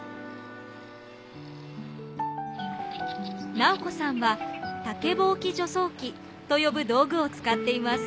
奈央子さんは竹ぼうき除草器と呼ぶ道具を使っています。